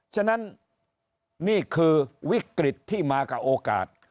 ฉะนั้นนี่คือวิกฤตที่มากับโอกาส